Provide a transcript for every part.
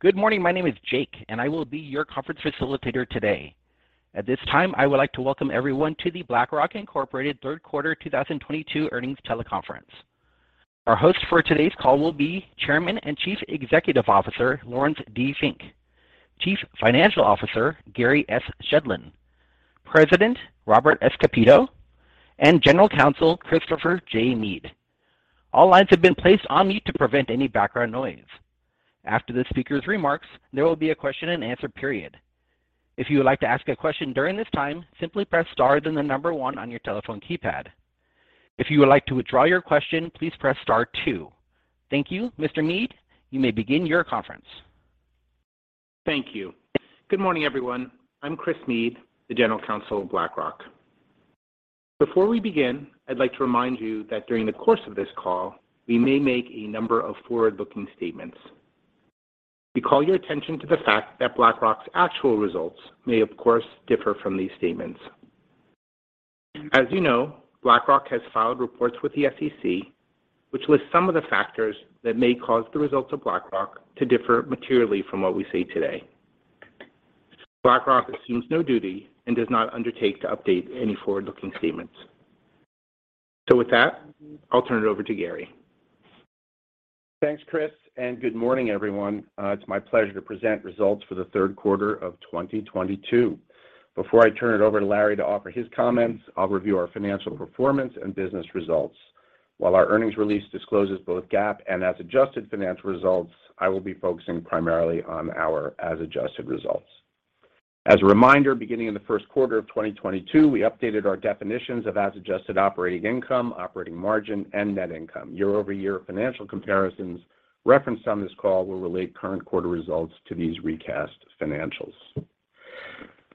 Good morning. My name is Jake, and I will be your conference facilitator today. At this time, I would like to welcome everyone to the BlackRock, Inc. Q3 2022 earnings teleconference. Our host for today's call will be Chairman and Chief Executive Officer, Laurence D. Fink, Chief Financial Officer, Gary S. Shedlin, President, Robert S. Kapito, and General Counsel, Christopher J. Meade. All lines have been placed on mute to prevent any background noise. After the speaker's remarks, there will be a question and answer period. If you would like to ask a question during this time, simply press star, then the number one on your telephone keypad. If you would like to withdraw your question, please press star two. Thank you. Mr. Meade, you may begin your conference. Thank you. Good morning, everyone. I'm Chris Meade, the General Counsel of BlackRock. Before we begin, I'd like to remind you that during the course of this call, we may make a number of forward-looking statements. We call your attention to the fact that BlackRock's actual results may, of course, differ from these statements. As you know, BlackRock has filed reports with the SEC, which lists some of the factors that may cause the results of BlackRock to differ materially from what we say today. BlackRock assumes no duty and does not undertake to update any forward-looking statements. With that, I'll turn it over to Gary. Thanks, Chris, and good morning, everyone. It's my pleasure to present results for the Q3 of 2022. Before I turn it over to Larry to offer his comments, I'll review our financial performance and business results. While our earnings release discloses both GAAP and as adjusted financial results, I will be focusing primarily on our as adjusted results. As a reminder, beginning in the Q1 of 2022, we updated our definitions of as adjusted operating income, operating margin, and net income. Year-over-year financial comparisons referenced on this call will relate current quarter results to these recast financials.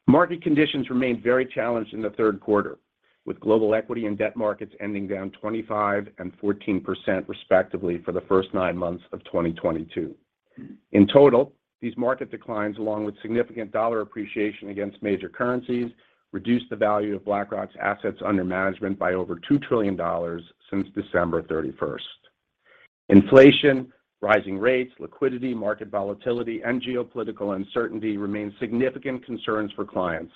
Market conditions remained very challenged in the Q3, with global equity and debt markets ending down 25% and 14%, respectively, for the first nine months of 2022. In total, these market declines, along with significant dollar appreciation against major currencies, reduced the value of BlackRock's assets under management by over $2 trillion since December 31. Inflation, rising rates, liquidity, market volatility, and geopolitical uncertainty remain significant concerns for clients,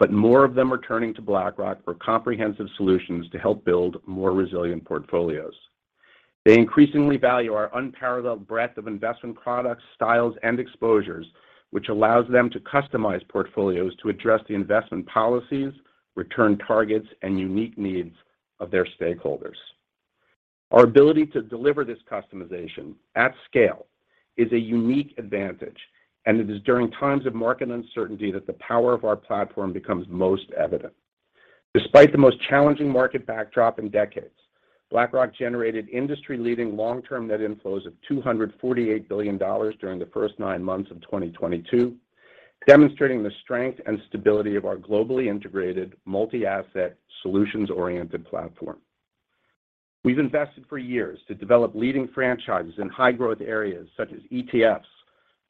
but more of them are turning to BlackRock for comprehensive solutions to help build more resilient portfolios. They increasingly value our unparalleled breadth of investment products, styles, and exposures, which allows them to customize portfolios to address the investment policies, return targets, and unique needs of their stakeholders. Our ability to deliver this customization at scale is a unique advantage, and it is during times of market uncertainty that the power of our platform becomes most evident. Despite the most challenging market backdrop in decades, BlackRock generated industry-leading long-term net inflows of $248 billion during the first nine months of 2022, demonstrating the strength and stability of our globally integrated multi-asset solutions-oriented platform. We've invested for years to develop leading franchises in high-growth areas such as ETFs,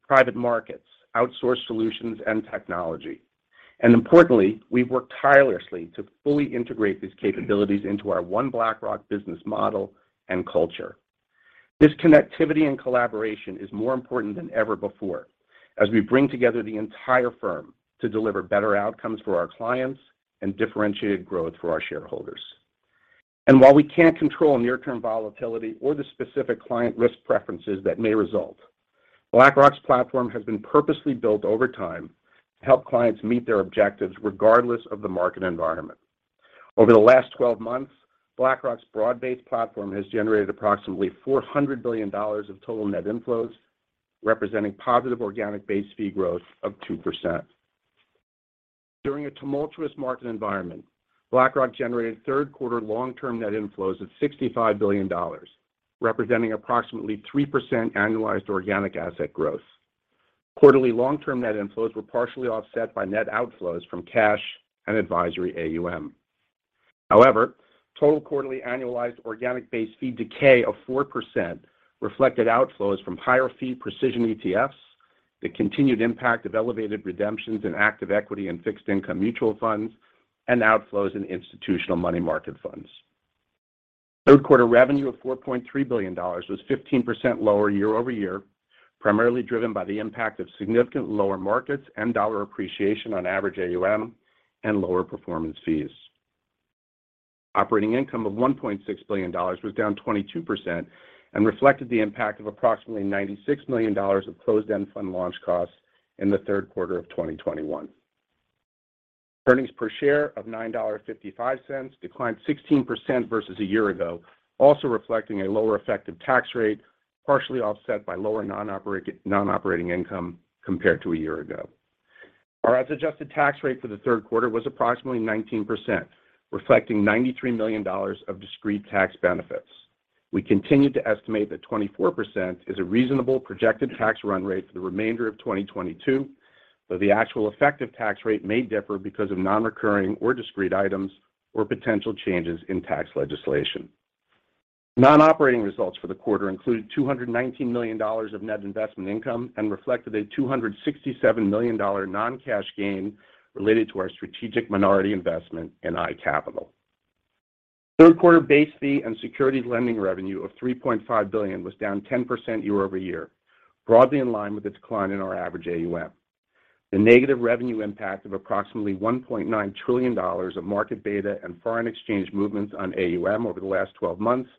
private markets, outsourced solutions, and technology. Importantly, we've worked tirelessly to fully integrate these capabilities into our One BlackRock business model and culture. This connectivity and collaboration is more important than ever before as we bring together the entire firm to deliver better outcomes for our clients and differentiated growth for our shareholders. While we can't control near-term volatility or the specific client risk preferences that may result, BlackRock's platform has been purposely built over time to help clients meet their objectives regardless of the market environment. Over the last 12 months, BlackRock's broad-based platform has generated approximately $400 billion of total net inflows, representing positive organic base fee growth of 2%. During a tumultuous market environment, BlackRock generated Q3 long-term net inflows of $65 billion, representing approximately 3% annualized organic asset growth. Quarterly long-term net inflows were partially offset by net outflows from cash and advisory AUM. However, total quarterly annualized organic base fee decay of 4% reflected outflows from higher fee Precision ETFs, the continued impact of elevated redemptions in active equity and fixed income mutual funds, and outflows in institutional money market funds. Q3 revenue of $4.3 billion was 15% lower year-over-year, primarily driven by the impact of significantly lower markets and dollar appreciation on average AUM and lower performance fees. Operating income of $1.6 billion was down 22% and reflected the impact of approximately $96 million of closed-end fund launch costs in the Q3 of 2021. Earnings per share of $9.55 declined 16% versus a year ago, also reflecting a lower effective tax rate, partially offset by lower non-operating income compared to a year ago. Our as-adjusted tax rate for the Q3 was approximately 19%, reflecting $93 million of discrete tax benefits. We continue to estimate that 24% is a reasonable projected tax run rate for the remainder of 2022, though the actual effective tax rate may differ because of non-recurring or discrete items or potential changes in tax legislation. Non-operating results for the quarter included $219 million of net investment income and reflected a $267 million non-cash gain related to our strategic minority investment in iCapital. Q3 base fee and securities lending revenue of $3.5 billion was down 10% year-over-year, broadly in line with the decline in our average AUM. The negative revenue impact of approximately $1.9 trillion of market beta and foreign exchange movements on AUM over the last 12 months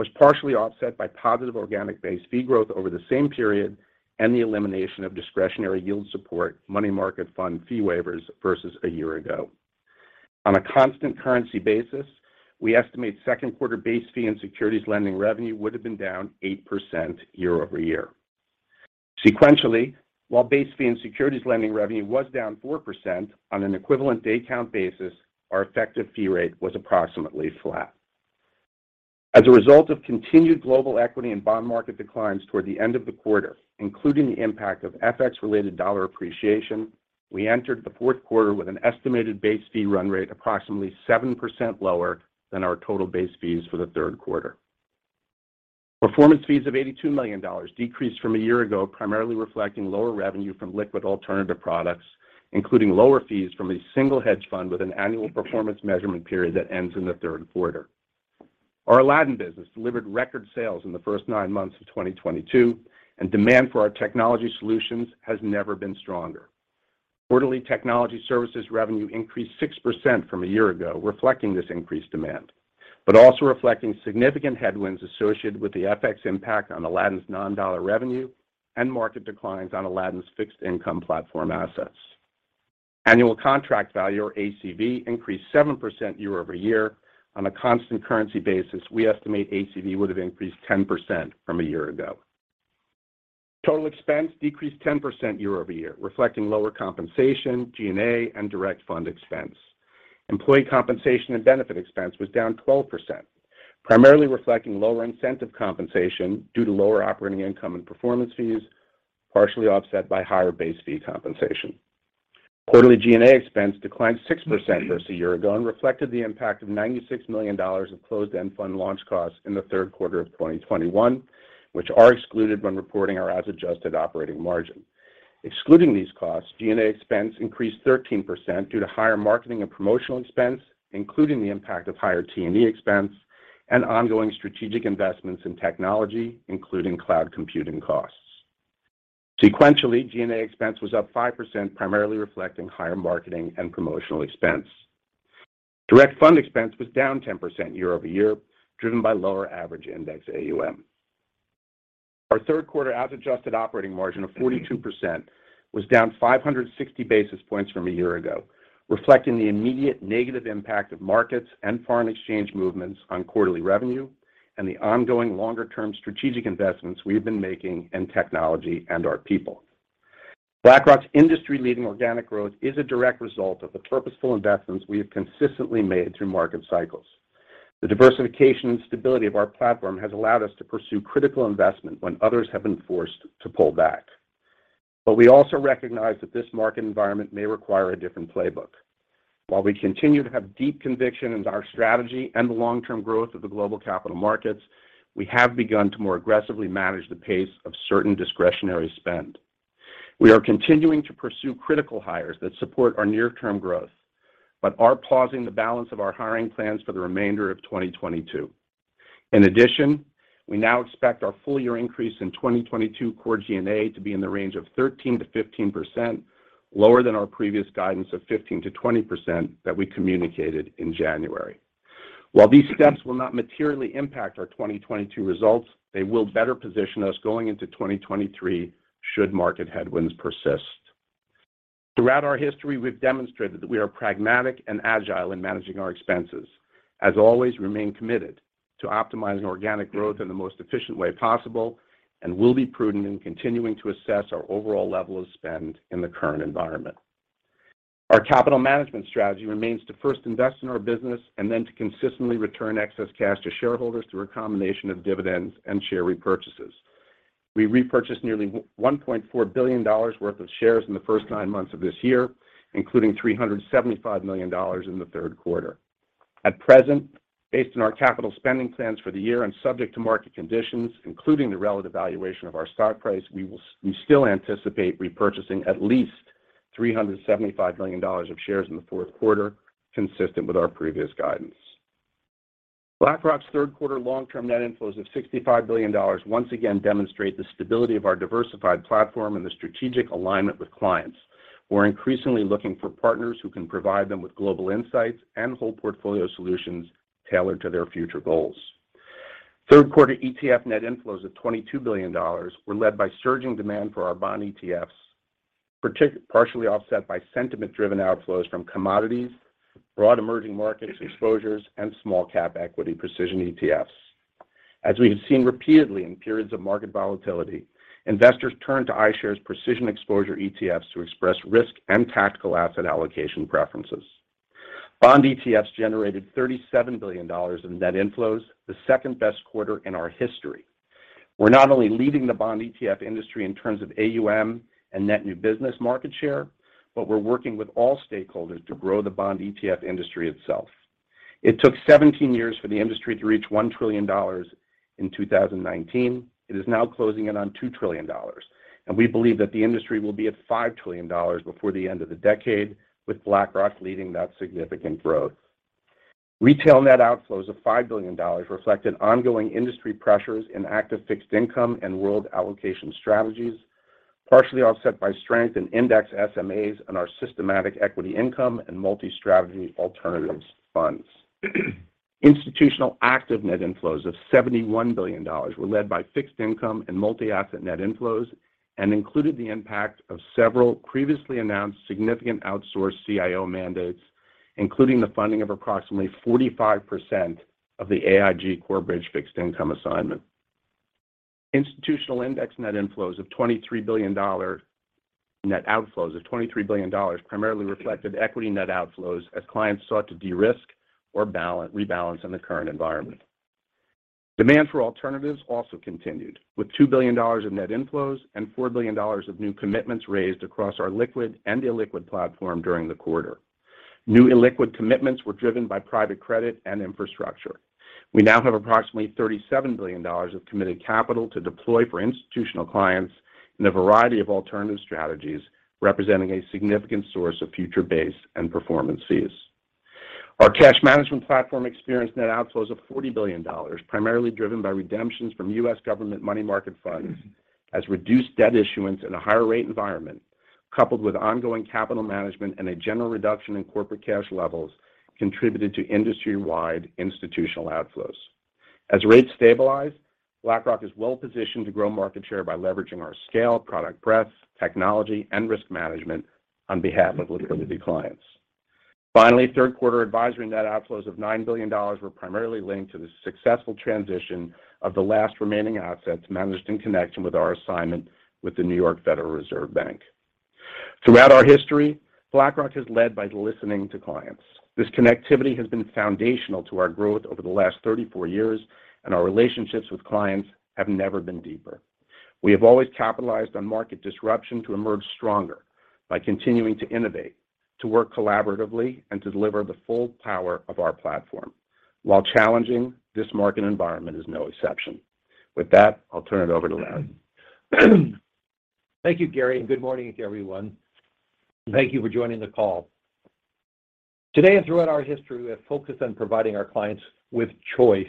was partially offset by positive organic base fee growth over the same period and the elimination of discretionary yield support money market fund fee waivers versus a year ago. On a constant currency basis, we estimate Q3 base fee and securities lending revenue would have been down 8% year-over-year. Sequentially, while base fee and securities lending revenue was down 4% on an equivalent day count basis, our effective fee rate was approximately flat. As a result of continued global equity and bond market declines toward the end of the quarter, including the impact of FX related dollar appreciation, we entered the Q4 with an estimated base fee run rate approximately 7% lower than our total base fees for the Q3. Performance fees of $82 million decreased from a year ago, primarily reflecting lower revenue from liquid alternative products, including lower fees from a single hedge fund with an annual performance measurement period that ends in the Q3. Our Aladdin business delivered record sales in the first nine months of 2022, and demand for our technology solutions has never been stronger. Quarterly technology services revenue increased 6% from a year ago, reflecting this increased demand, but also reflecting significant headwinds associated with the FX impact on Aladdin's non-dollar revenue and market declines on Aladdin's fixed income platform assets. Annual contract value, or ACV, increased 7% year-over-year. On a constant currency basis, we estimate ACV would have increased 10% from a year ago. Total expense decreased 10% year-over-year, reflecting lower compensation, G&A, and direct fund expense. Employee compensation and benefit expense was down 12%, primarily reflecting lower incentive compensation due to lower operating income and performance fees, partially offset by higher base fee compensation. Quarterly G&A expense declined 6% versus a year ago and reflected the impact of $96 million of closed-end fund launch costs in the Q3 of 2021, which are excluded when reporting our as-adjusted operating margin. Excluding these costs, G&A expense increased 13% due to higher marketing and promotional expense, including the impact of higher T&E expense and ongoing strategic investments in technology, including cloud computing costs. Sequentially, G&A expense was up 5%, primarily reflecting higher marketing and promotional expense. Direct fund expense was down 10% year-over-year, driven by lower average index AUM. Our Q3 as-adjusted operating margin of 42% was down 560 basis points from a year ago, reflecting the immediate negative impact of markets and foreign exchange movements on quarterly revenue and the ongoing longer-term strategic investments we have been making in technology and our people. BlackRock's industry-leading organic growth is a direct result of the purposeful investments we have consistently made through market cycles. The diversification and stability of our platform has allowed us to pursue critical investment when others have been forced to pull back. We also recognize that this market environment may require a different playbook. While we continue to have deep conviction in our strategy and the long-term growth of the global capital markets, we have begun to more aggressively manage the pace of certain discretionary spend. We are continuing to pursue critical hires that support our near-term growth, but are pausing the balance of our hiring plans for the remainder of 2022. In addition, we now expect our full year increase in 2022 core G&A to be in the range of 13%-15%, lower than our previous guidance of 15%-20% that we communicated in January. While these steps will not materially impact our 2022 results, they will better position us going into 2023 should market headwinds persist. Throughout our history, we've demonstrated that we are pragmatic and agile in managing our expenses, as always, remain committed to optimizing organic growth in the most efficient way possible, and we'll be prudent in continuing to assess our overall level of spend in the current environment. Our capital management strategy remains to first invest in our business and then to consistently return excess cash to shareholders through a combination of dividends and share repurchases. We repurchased nearly $1.4 billion worth of shares in the first nine months of this year, including $375 million in the Q3. At present, based on our capital spending plans for the year and subject to market conditions, including the relative valuation of our stock price, we still anticipate repurchasing at least $375 million of shares in the Q4, consistent with our previous guidance. BlackRock's Q3 long-term net inflows of $65 billion once again demonstrate the stability of our diversified platform and the strategic alignment with clients, who are increasingly looking for partners who can provide them with global insights and whole portfolio solutions tailored to their future goals. Q3 ETF net inflows of $22 billion were led by surging demand for our bond ETFs, partially offset by sentiment driven outflows from commodities, broad emerging markets exposures, and small cap equity Precision ETFs. As we have seen repeatedly in periods of market volatility, investors turn to iShares' Precision ETFs to express risk and tactical asset allocation preferences. Bond ETFs generated $37 billion in net inflows, the second best quarter in our history. We're not only leading the bond ETF industry in terms of AUM and net new business market share, but we're working with all stakeholders to grow the bond ETF industry itself. It took 17 years for the industry to reach $1 trillion in 2019. It is now closing in on $2 trillion. We believe that the industry will be at $5 trillion before the end of the decade, with BlackRock leading that significant growth. Retail net outflows of $5 billion reflected ongoing industry pressures in active fixed income and world allocation strategies, partially offset by strength in index SMAs and our systematic equity income and multi-strategy alternatives funds. Institutional active net inflows of $71 billion were led by fixed income and multi-asset net inflows and included the impact of several previously announced significant outsourced CIO mandates, including the funding of approximately 45% of the AIG Corebridge fixed income assignment. Institutional index net inflows of $23 billion. Net outflows of $23 billion primarily reflected equity net outflows as clients sought to de-risk or rebalance in the current environment. Demand for alternatives also continued, with $2 billion of net inflows and $4 billion of new commitments raised across our liquid and illiquid platform during the quarter. New illiquid commitments were driven by private credit and infrastructure. We now have approximately $37 billion of committed capital to deploy for institutional clients in a variety of alternative strategies, representing a significant source of future base and performance fees. Our cash management platform experienced net outflows of $40 billion, primarily driven by redemptions from U.S. government money market funds as reduced debt issuance in a higher rate environment, coupled with ongoing capital management and a general reduction in corporate cash levels contributed to industry-wide institutional outflows. As rates stabilize, BlackRock is well-positioned to grow market share by leveraging our scale, product breadth, technology and risk management on behalf of liquidity clients. Finally, Q3 advisory net outflows of $9 billion were primarily linked to the successful transition of the last remaining assets managed in connection with our assignment with the Federal Reserve Bank of New York. Throughout our history, BlackRock has led by listening to clients. This connectivity has been foundational to our growth over the last 34 years, and our relationships with clients have never been deeper. We have always capitalized on market disruption to emerge stronger by continuing to innovate, to work collaboratively, and to deliver the full power of our platform. While challenging, this market environment is no exception. With that, I'll turn it over to Larry. Thank you, Gary, and good morning to everyone. Thank you for joining the call. Today and throughout our history, we have focused on providing our clients with choice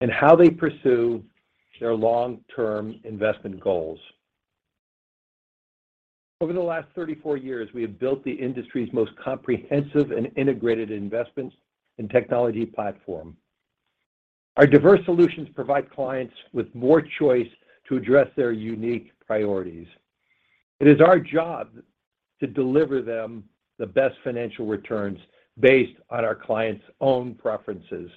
in how they pursue their long-term investment goals. Over the last 34 years, we have built the industry's most comprehensive and integrated investments and technology platform. Our diverse solutions provide clients with more choice to address their unique priorities. It is our job to deliver them the best financial returns based on our clients' own preferences.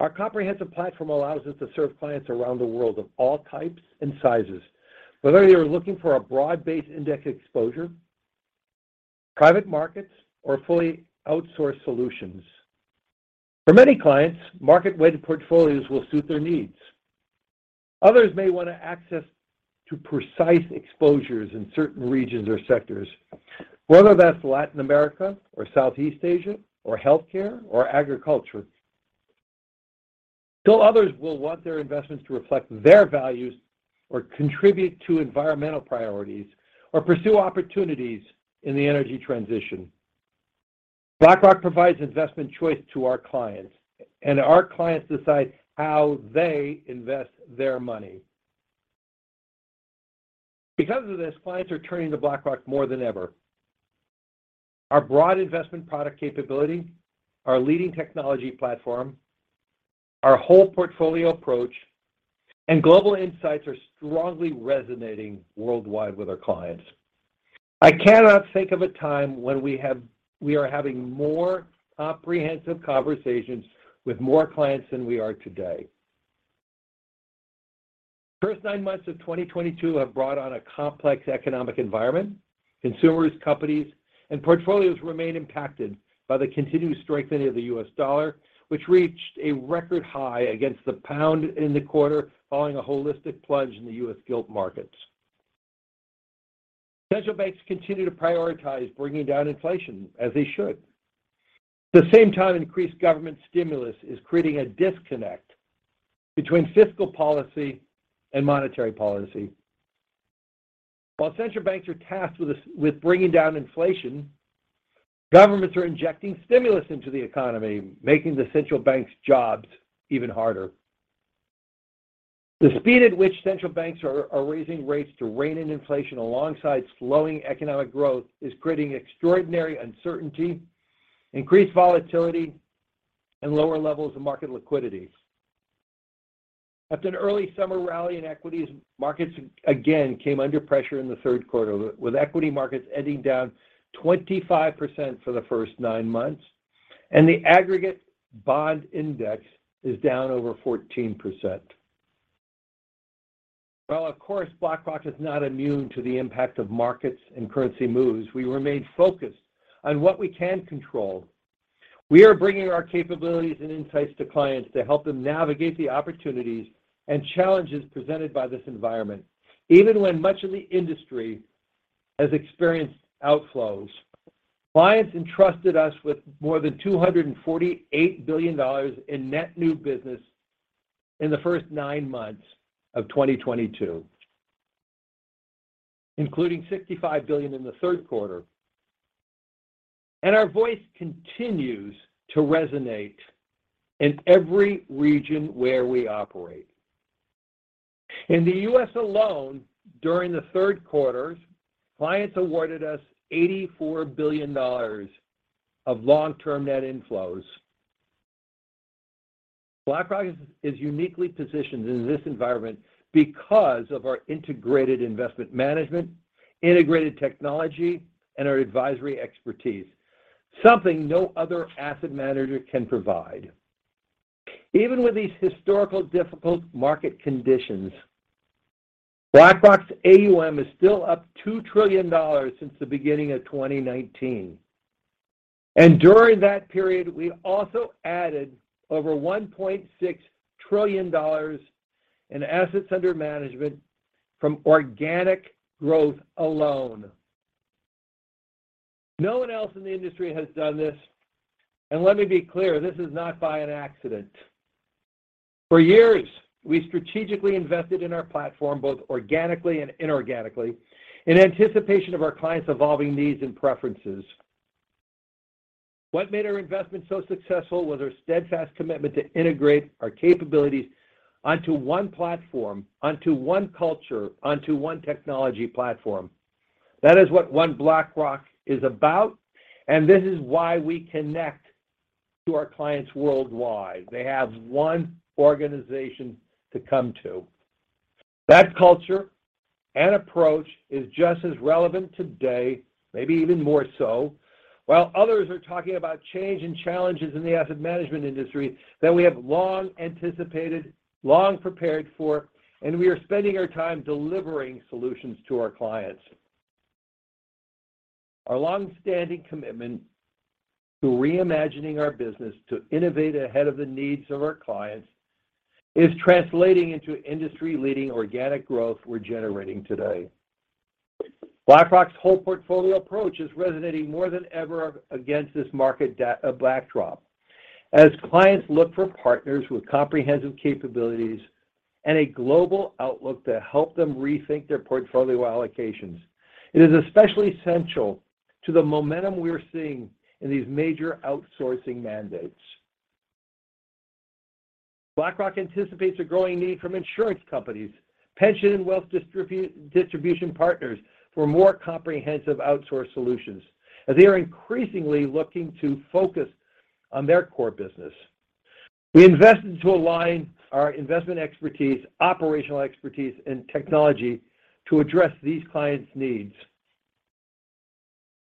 Our comprehensive platform allows us to serve clients around the world of all types and sizes, whether they are looking for a broad-based index exposure, private markets or fully outsourced solutions. For many clients, market-weighted portfolios will suit their needs. Others may want access to precise exposures in certain regions or sectors, whether that's Latin America or Southeast Asia or healthcare or agriculture. Still others will want their investments to reflect their values or contribute to environmental priorities or pursue opportunities in the energy transition. BlackRock provides investment choice to our clients, and our clients decide how they invest their money. Because of this, clients are turning to BlackRock more than ever. Our broad investment product capability, our leading technology platform, our whole portfolio approach and global insights are strongly resonating worldwide with our clients. I cannot think of a time when we are having more comprehensive conversations with more clients than we are today. The first nine months of 2022 have brought on a complex economic environment. Consumers, companies and portfolios remain impacted by the continued strengthening of the US dollar, which reached a record high against the pound in the quarter following a historic plunge in the UK gilt markets. Central banks continue to prioritize bringing down inflation as they should. At the same time, increased government stimulus is creating a disconnect between fiscal policy and monetary policy. While central banks are tasked with bringing down inflation, governments are injecting stimulus into the economy, making the central bank's jobs even harder. The speed at which central banks are raising rates to rein in inflation alongside slowing economic growth is creating extraordinary uncertainty, increased volatility and lower levels of market liquidity. After an early summer rally in equities, markets again came under pressure in the Q3, with equity markets ending down 25% for the first nine months, and the aggregate bond index is down over 14%. While, of course, BlackRock is not immune to the impact of markets and currency moves, we remain focused on what we can control. We are bringing our capabilities and insights to clients to help them navigate the opportunities and challenges presented by this environment. Even when much of the industry has experienced outflows. Clients entrusted us with more than $248 billion in net new business in the first nine months of 2022, including $65 billion in the Q3. Our voice continues to resonate in every region where we operate. In the U.S. alone, during the Q3, clients awarded us $84 billion of long-term net inflows. BlackRock is uniquely positioned in this environment because of our integrated investment management, integrated technology, and our advisory expertise, something no other asset manager can provide. Even with these historical difficult market conditions, BlackRock's AUM is still up $2 trillion since the beginning of 2019. During that period, we also added over $1.6 trillion in assets under management from organic growth alone. No one else in the industry has done this, and let me be clear, this is not by an accident. For years, we strategically invested in our platform, both organically and inorganically, in anticipation of our clients' evolving needs and preferences. What made our investment so successful was our steadfast commitment to integrate our capabilities onto one platform, onto one culture, onto one technology platform. That is what One BlackRock is about, and this is why we connect to our clients worldwide. They have one organization to come to. That culture and approach is just as relevant today, maybe even more so. While others are talking about change and challenges in the asset management industry that we have long anticipated, long prepared for, and we are spending our time delivering solutions to our clients. Our long-standing commitment to reimagining our business to innovate ahead of the needs of our clients is translating into industry-leading organic growth we're generating today. BlackRock's whole portfolio approach is resonating more than ever against this market backdrop. As clients look for partners with comprehensive capabilities and a global outlook to help them rethink their portfolio allocations, it is especially central to the momentum we're seeing in these major outsourcing mandates. BlackRock anticipates a growing need from insurance companies, pension and wealth distribution partners for more comprehensive outsourcing solutions, as they are increasingly looking to focus on their core business. We invested to align our investment expertise, operational expertise, and technology to address these clients' needs.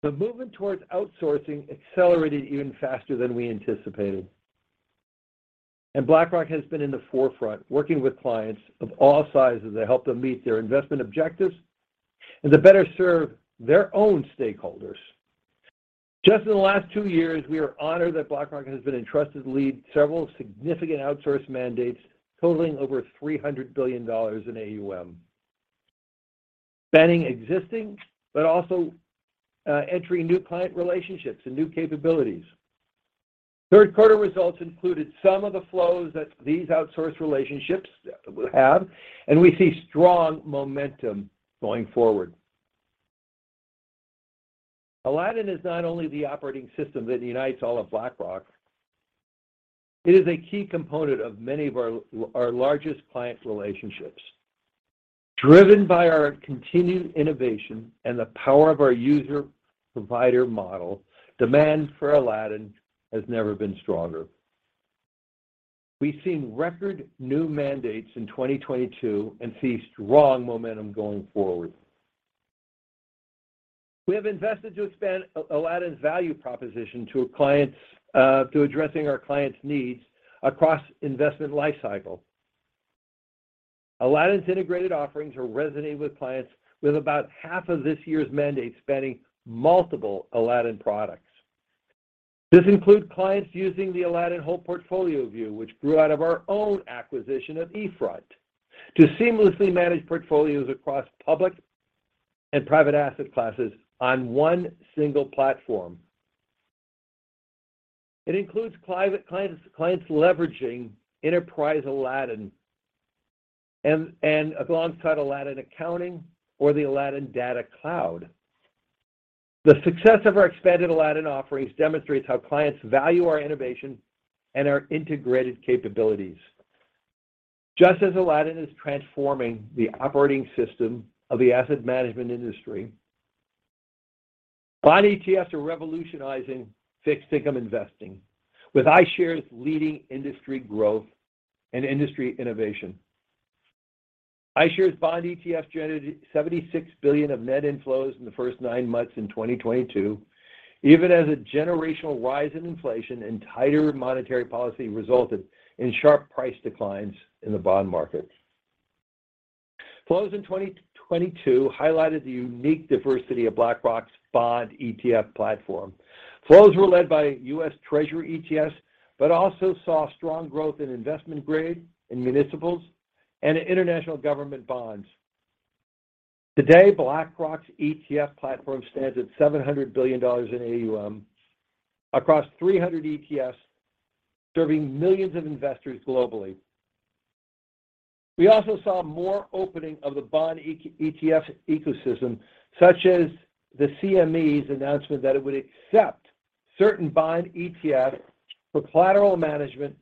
The movement towards outsourcing accelerated even faster than we anticipated. BlackRock has been in the forefront, working with clients of all sizes to help them meet their investment objectives and to better serve their own stakeholders. Just in the last two years, we are honored that BlackRock has been entrusted to lead several significant outsource mandates totaling over $300 billion in AUM, spanning existing, but also, entering new client relationships and new capabilities. Q results included some of the flows that these outsource relationships have, and we see strong momentum going forward. Aladdin is not only the operating system that unites all of BlackRock, it is a key component of many of our our largest clients' relationships. Driven by our continued innovation and the power of our user provider model, demand for Aladdin has never been stronger. We've seen record new mandates in 2022 and see strong momentum going forward. We have invested to expand Aladdin's value proposition to addressing our clients' needs across investment lifecycle. Aladdin's integrated offerings are resonating with clients with about half of this year's mandate spanning multiple Aladdin products. This includes clients using the Aladdin Whole Portfolio View, which grew out of our own acquisition of eFront, to seamlessly manage portfolios across public and private asset classes on one single platform. It includes clients leveraging Enterprise Aladdin and alongside Aladdin Accounting or the Aladdin Data Cloud. The success of our expanded Aladdin offerings demonstrates how clients value our innovation and our integrated capabilities. Just as Aladdin is transforming the operating system of the asset management industry, Bond ETFs are revolutionizing fixed income investing, with iShares leading industry growth and industry innovation. iShares Bond ETF generated $76 billion of net inflows in the first nine months of 2022, even as a generational rise in inflation and tighter monetary policy resulted in sharp price declines in the bond market. Flows in 2022 highlighted the unique diversity of BlackRock's Bond ETF platform. Flows were led by U.S. Treasury ETFs, but also saw strong growth in investment grade, in municipals, and in international government bonds. Today, BlackRock's ETF platform stands at $700 billion in AUM across 300 ETFs, serving millions of investors globally. We also saw more opening of the bond ETF ecosystem, such as the CME's announcement that it would accept certain bond ETFs for collateral management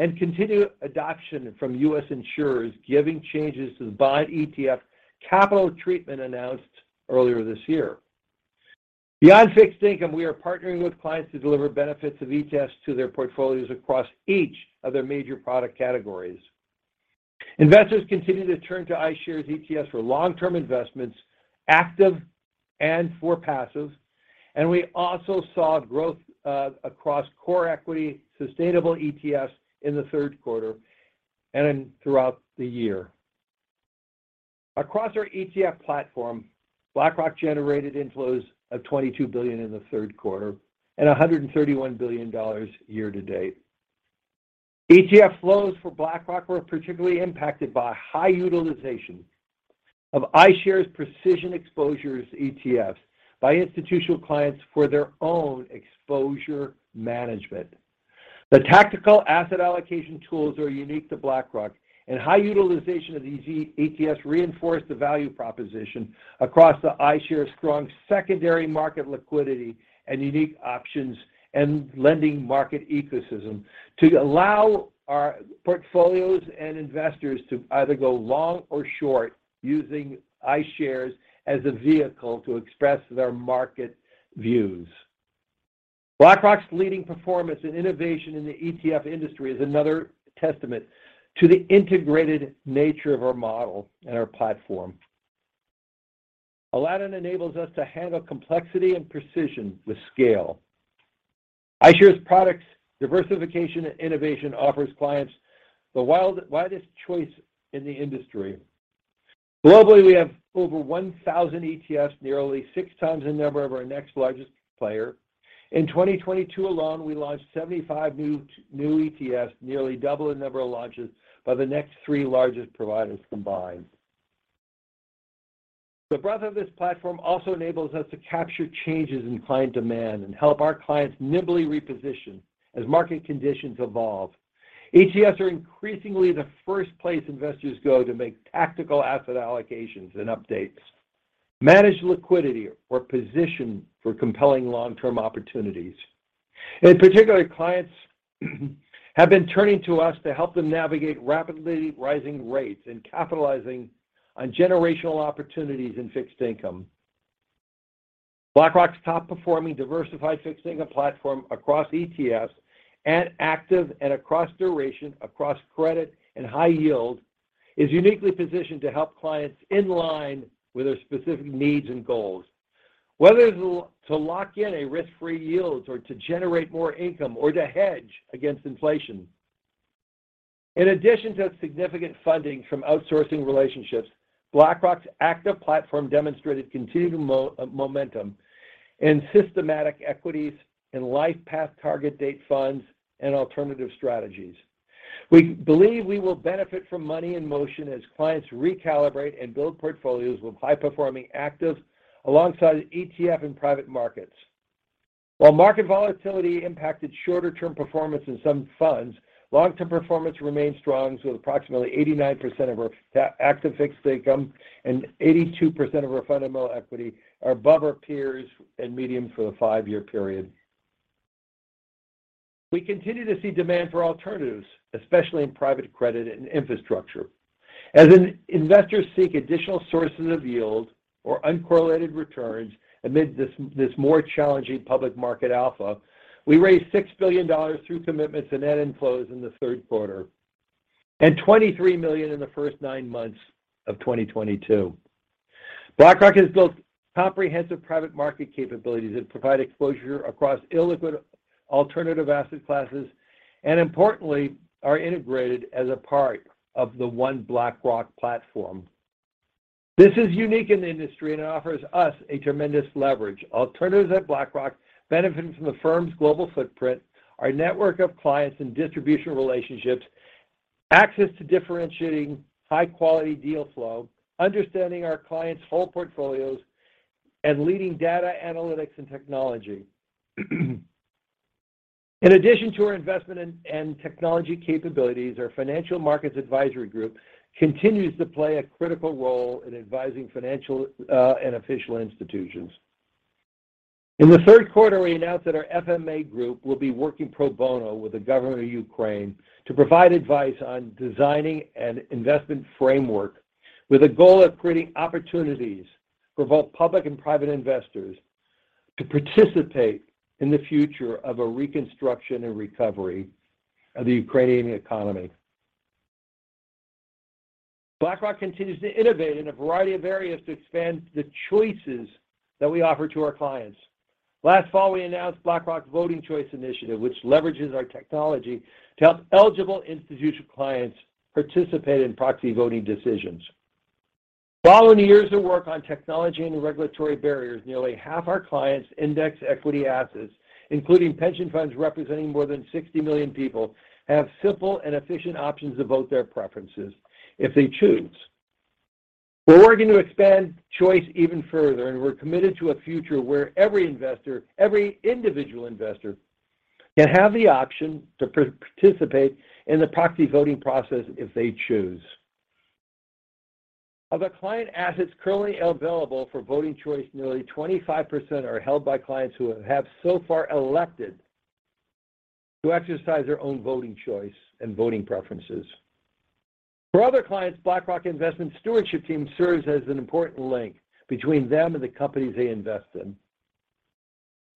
and continued adoption from U.S. insurers, given changes to the bond ETF capital treatment announced earlier this year. Beyond fixed income, we are partnering with clients to deliver benefits of ETFs to their portfolios across each of their major product categories. Investors continue to turn to iShares ETFs for long-term investments, active and for passive. We also saw growth across core equity, sustainable ETFs in the Q3 and then throughout the year. Across our ETF platform, BlackRock generated inflows of $22 billion in the third quarter and $131 billion year to date. ETF flows for BlackRock were particularly impacted by high utilization of iShares Precision ETFs by institutional clients for their own exposure management. The tactical asset allocation tools are unique to BlackRock, and high utilization of these ETFs reinforce the value proposition across the iShares' strong secondary market liquidity and unique options and lending market ecosystem to allow our portfolios and investors to either go long or short using iShares as a vehicle to express their market views. BlackRock's leading performance and innovation in the ETF industry is another testament to the integrated nature of our model and our platform. Aladdin enables us to handle complexity and precision with scale. iShares products diversification and innovation offers clients the widest choice in the industry. Globally, we have over 1,000 ETFs, nearly 6x the number of our next largest player. In 2022 alone, we launched 75 new ETFs, nearly double the number of launches by the next three largest providers combined. The breadth of this platform also enables us to capture changes in client demand and help our clients nimbly reposition as market conditions evolve. ETFs are increasingly the first place investors go to make tactical asset allocations and updates, manage liquidity or position for compelling long-term opportunities. In particular, clients have been turning to us to help them navigate rapidly rising rates and capitalizing on generational opportunities in fixed income. BlackRock's top-performing diversified fixed income platform across ETFs and active and across duration, across credit and high yield, is uniquely positioned to help clients in line with their specific needs and goals, whether to lock in a risk-free yield or to generate more income or to hedge against inflation. In addition to significant funding from outsourcing relationships, BlackRock's active platform demonstrated continued momentum in systematic equities and LifePath target-date funds and alternative strategies. We believe we will benefit from money in motion as clients recalibrate and build portfolios with high-performing active alongside ETF and private markets. While market volatility impacted shorter-term performance in some funds, long-term performance remains strong, with approximately 89% of our active fixed income and 82% of our fundamental equity above our peers and median for the five-year period. We continue to see demand for alternatives, especially in private credit and infrastructure. As institutional investors seek additional sources of yield or uncorrelated returns amid this more challenging public market alpha, we raised $6 billion through commitments and net inflows in the Q3 and $23 million in the first nine months of 2022. BlackRock has built comprehensive private market capabilities that provide exposure across illiquid alternative asset classes, and importantly, are integrated as a part of the One BlackRock platform. This is unique in the industry and offers us a tremendous leverage. Alternatives at BlackRock benefit from the firm's global footprint, our network of clients and distribution relationships, access to differentiating high-quality deal flow, understanding our clients' whole portfolios, and leading data analytics and technology. In addition to our investment and technology capabilities, our Financial Markets Advisory group continues to play a critical role in advising financial, and official institutions. In the Q3, we announced that our FMA group will be working pro bono with the government of Ukraine to provide advice on designing an investment framework with a goal of creating opportunities for both public and private investors to participate in the future of a reconstruction and recovery of the Ukrainian economy. BlackRock continues to innovate in a variety of areas to expand the choices that we offer to our clients. Last fall, we announced BlackRock's Voting Choice initiative, which leverages our technology to help eligible institutional clients participate in proxy voting decisions. Following years of work on technology and regulatory barriers, nearly half our clients' index equity assets, including pension funds representing more than 60 million people, have simple and efficient options to vote their preferences if they choose. We're going to expand choice even further, and we're committed to a future where every investor, every individual investor can have the option to participate in the proxy voting process if they choose. Of the client assets currently available for voting choice, nearly 25% are held by clients who have so far elected to exercise their own voting choice and voting preferences. For other clients, BlackRock Investment Stewardship team serves as an important link between them and the companies they invest in.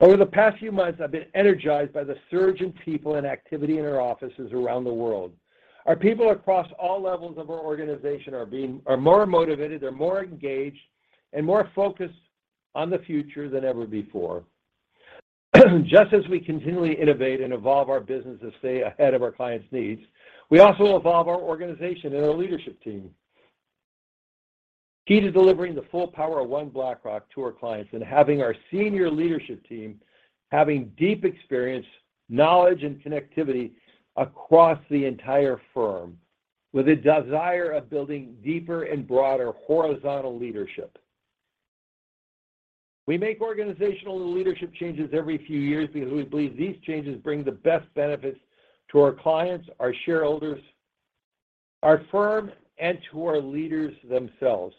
Over the past few months, I've been energized by the surge in people and activity in our offices around the world. Our people across all levels of our organization are more motivated, they're more engaged, and more focused on the future than ever before. Just as we continually innovate and evolve our business to stay ahead of our clients' needs, we also evolve our organization and our leadership team. Key to delivering the full power of One BlackRock to our clients and having our senior leadership team having deep experience, knowledge, and connectivity across the entire firm with a desire of building deeper and broader horizontal leadership. We make organizational and leadership changes every few years because we believe these changes bring the best benefits to our clients, our shareholders, our firm, and to our leaders themselves.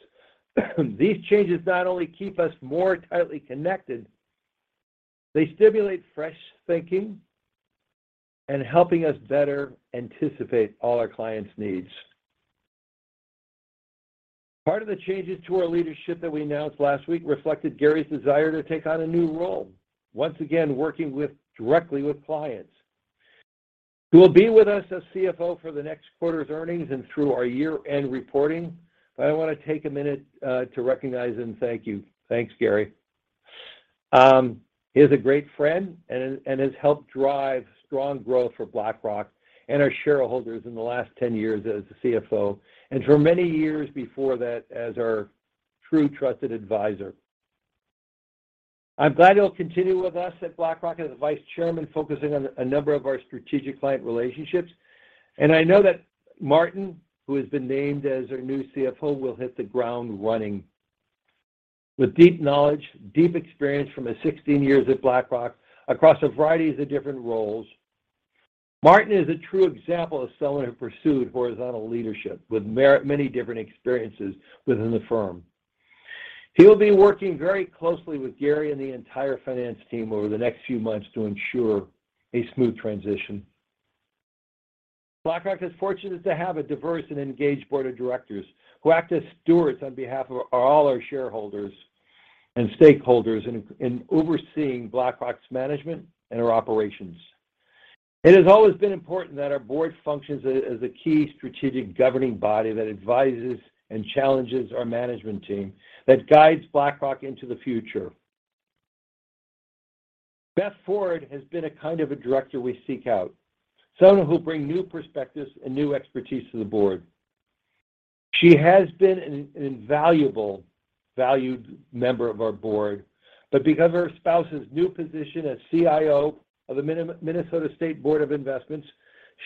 These changes not only keep us more tightly connected, they stimulate fresh thinking and helping us better anticipate all our clients' needs. Part of the changes to our leadership that we announced last week reflected Gary's desire to take on a new role, once again, directly with clients. He will be with us as CFO for the next quarter's earnings and through our year-end reporting. I want to take a minute to recognize and thank you. Thanks, Gary. He is a great friend and has helped drive strong growth for BlackRock and our shareholders in the last 10 years as the CFO, and for many years before that as our true trusted advisor. I'm glad he'll continue with us at BlackRock as Vice Chairman, focusing on a number of our strategic client relationships. I know that Martin, who has been named as our new CFO, will hit the ground running. With deep knowledge, deep experience from his 16 years at BlackRock across a variety of different roles. Martin is a true example of someone who pursued horizontal leadership with many different experiences within the firm. He'll be working very closely with Gary and the entire finance team over the next few months to ensure a smooth transition. BlackRock is fortunate to have a diverse and engaged board of directors who act as stewards on behalf of all our shareholders and stakeholders in overseeing BlackRock's management and our operations. It has always been important that our board functions as a key strategic governing body that advises and challenges our management team, that guides BlackRock into the future. Beth Ford has been a kind of a director we seek out, someone who bring new perspectives and new expertise to the board. She has been an invaluable valued member of our board. Because of her spouse's new position as CIO of the Minnesota State Board of Investment,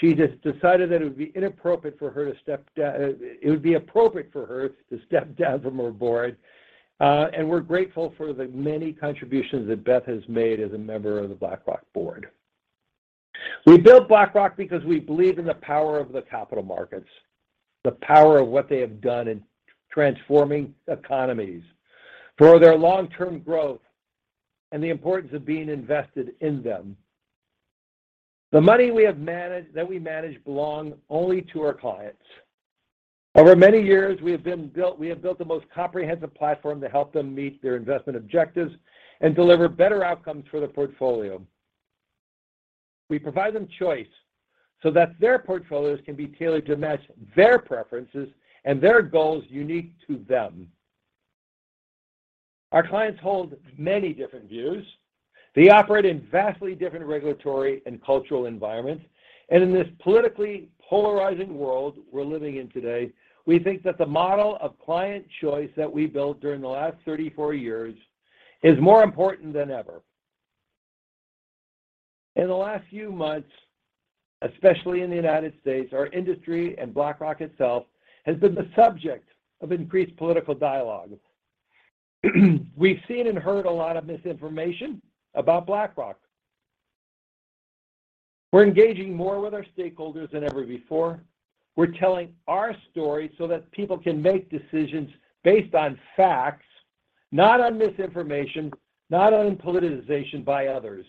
she decided that it would be appropriate for her to step down from our board. We're grateful for the many contributions that Beth has made as a member of the BlackRock board. We built BlackRock because we believe in the power of the capital markets, the power of what they have done in transforming economies for their long-term growth and the importance of being invested in them. The money that we manage belongs only to our clients. Over many years, we have built the most comprehensive platform to help them meet their investment objectives and deliver better outcomes for their portfolio. We provide them choice so that their portfolios can be tailored to match their preferences and their goals unique to them. Our clients hold many different views. They operate in vastly different regulatory and cultural environments. In this politically polarizing world we're living in today, we think that the model of client choice that we built during the last 34 years is more important than ever. In the last few months, especially in the United States, our industry and BlackRock itself has been the subject of increased political dialogue. We've seen and heard a lot of misinformation about BlackRock. We're engaging more with our stakeholders than ever before. We're telling our story so that people can make decisions based on facts, not on misinformation, not on politization by others.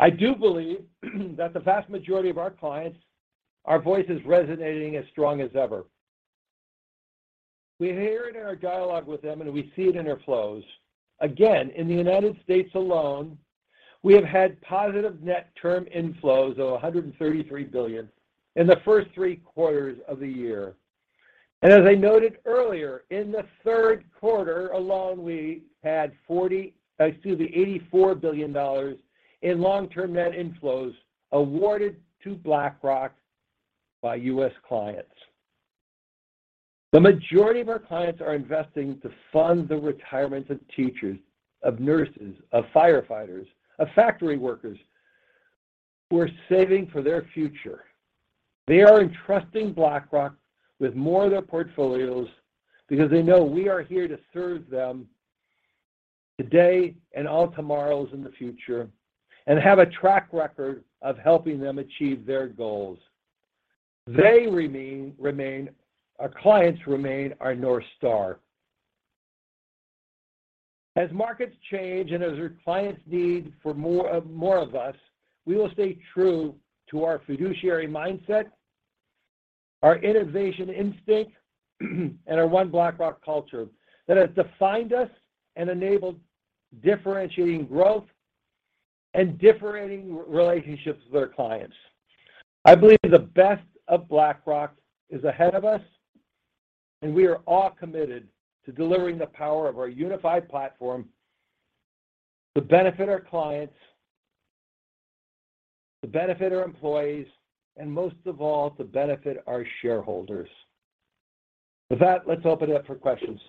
I do believe that the vast majority of our clients, our voice is resonating as strong as ever. We hear it in our dialogue with them, and we see it in their flows. Again, in the United States alone, we have had positive net term inflows of $133 billion in the first three quarters of the year. As I noted earlier, in the Q3 alone, we had $84 billion in long-term net inflows awarded to BlackRock by US clients. The majority of our clients are investing to fund the retirement of teachers, of nurses, of firefighters, of factory workers who are saving for their future. They are entrusting BlackRock with more of their portfolios because they know we are here to serve them today and all tomorrows in the future, and have a track record of helping them achieve their goals. Our clients remain our North Star. As markets change and as our clients need for more of us, we will stay true to our fiduciary mindset, our innovation instinct, and our One BlackRock culture that has defined us and enabled differentiating growth and differentiating relationships with our clients. I believe the best of BlackRock is ahead of us, and we are all committed to delivering the power of our unified platform to benefit our clients, to benefit our employees, and most of all, to benefit our shareholders. With that, let's open it up for questions.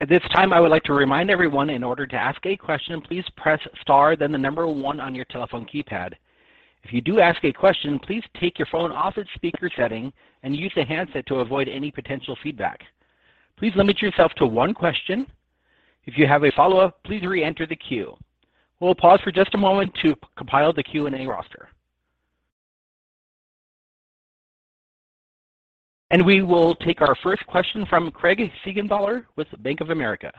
At this time, I would like to remind everyone, in order to ask a question, please press star then the number one on your telephone keypad. If you do ask a question, please take your phone off its speaker setting and use a handset to avoid any potential feedback. Please limit yourself to one question. If you have a follow-up, please re-enter the queue. We'll pause for just a moment to compile the Q&A roster. We will take our first question from Craig Siegenthaler with Bank of America.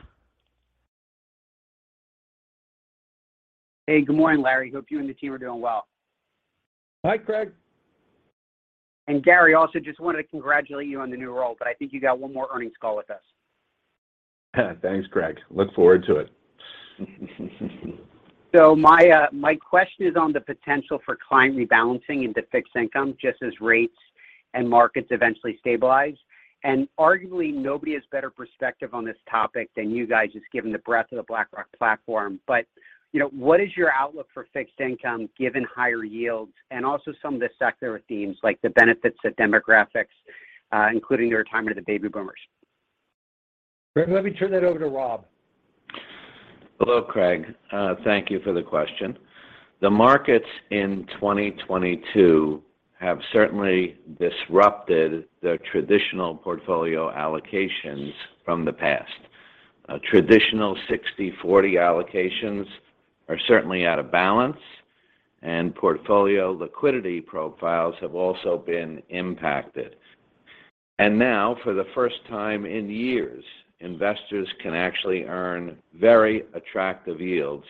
Hey, good morning, Larry. Hope you and the team are doing well. Hi, Craig. Gary also just wanted to congratulate you on the new role, but I think you got one more earnings call with us. Thanks, Craig. Look forward to it. My question is on the potential for client rebalancing into fixed income just as rates and markets eventually stabilize. Arguably, nobody has better perspective on this topic than you guys, just given the breadth of the BlackRock platform. You know, what is your outlook for fixed income given higher yields and also some of the sector themes like the benefits of demographics, including the retirement of the baby boomers? Craig, let me turn that over to Rob. Hello, Craig. Thank you for the question. The markets in 2022 have certainly disrupted the traditional portfolio allocations from the past. Traditional 60/40 allocations are certainly out of balance, and portfolio liquidity profiles have also been impacted. Now, for the first time in years, investors can actually earn very attractive yields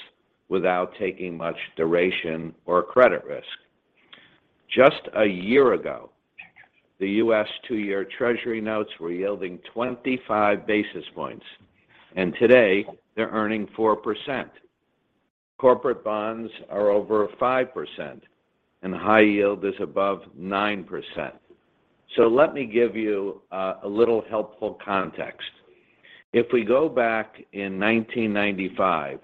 without taking much duration or credit risk. Just a year ago, the U.S. two-year Treasury notes were yielding 25 basis points, and today they're earning 4%. Corporate bonds are over 5%, and high yield is above 9%. Let me give you a little helpful context. If we go back in 1995,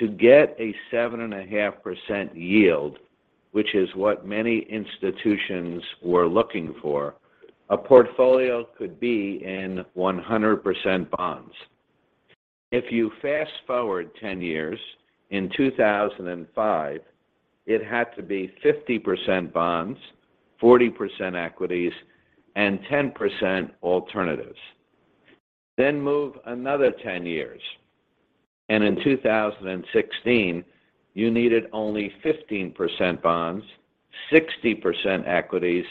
to get a 7.5% yield, which is what many institutions were looking for, a portfolio could be in 100% bonds. If you fast-forward 10 years, in 2005, it had to be 50% bonds, 40% equities, and 10% alternatives. Then move another 10 years, and in 2016, you needed only 15% bonds, 60% equities,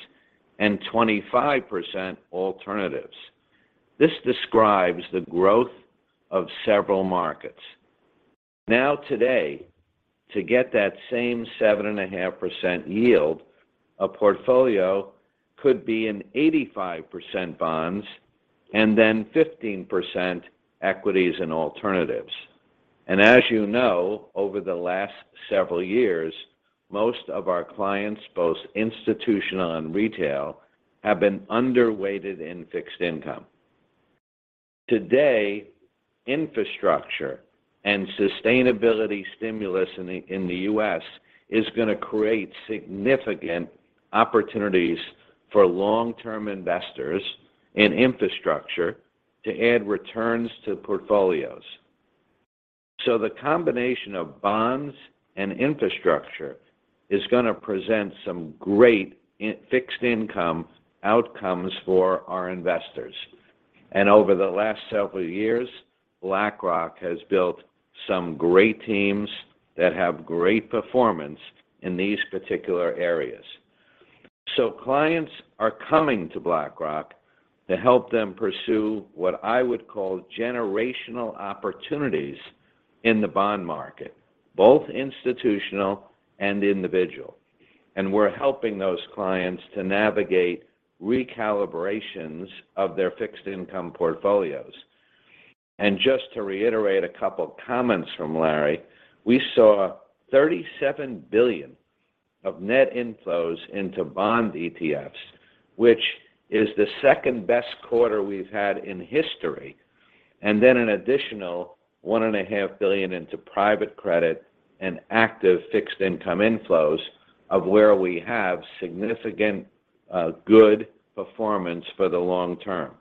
and 25% alternatives. This describes the growth of several markets. Now today, to get that same 7.5% yield, a portfolio could be in 85% bonds and then 15% equities and alternatives. As you know, over the last several years, most of our clients, both institutional and retail, have been underweighted in fixed income. Today, infrastructure and sustainability stimulus in the U.S. is going to create significant opportunities for long-term investors in infrastructure to add returns to portfolios. The combination of bonds and infrastructure is going to present some great fixed income outcomes for our investors. Over the last several years, BlackRock has built some great teams that have great performance in these particular areas. Clients are coming to BlackRock to help them pursue what I would call generational opportunities in the bond market, both institutional and individual. We're helping those clients to navigate recalibrations of their fixed income portfolios. Just to reiterate a couple of comments from Larry, we saw $37 billion of net inflows into bond ETFs, which is the second-best quarter we've had in history. Then an additional $1.5 billion into private credit and active fixed income inflows where we have significant good performance for the long term.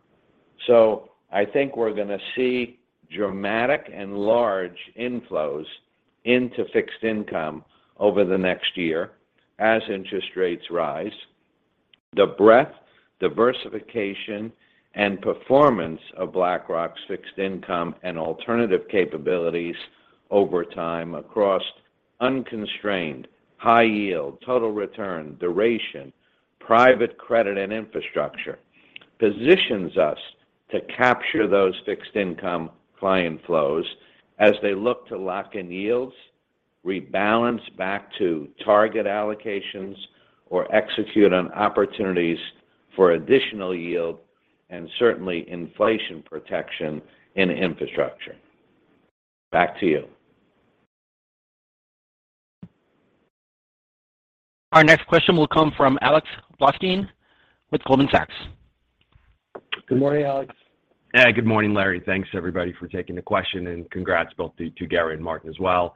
I think we're gonna see dramatic and large inflows into fixed income over the next year as interest rates rise. The breadth, diversification, and performance of BlackRock's fixed income and alternative capabilities over time across unconstrained high yield, total return, duration, private credit, and infrastructure positions us to capture those fixed income client flows as they look to lock in yields, rebalance back to target allocations, or execute on opportunities for additional yield, and certainly inflation protection in infrastructure. Back to you. Our next question will come from Alexander Blostein with Goldman Sachs. Good morning, Alex. Yeah. Good morning, Laurence D. Fink. Thanks everybody for taking the question, and congrats both to Gary S. Shedlin and Martin Small